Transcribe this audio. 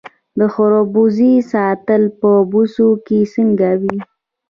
د خربوزو ساتل په بوسو کې څنګه وي؟